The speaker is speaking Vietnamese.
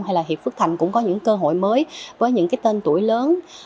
hay là hiệp phước thành cũng có những cơ hội mới với những cái tên tuổi lớn